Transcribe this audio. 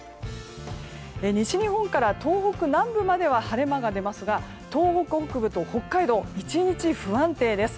西日本から東北南部までは晴れ間が出ますが東北北部と北海道は１日不安定です。